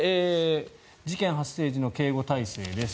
事件発生時の警護態勢です。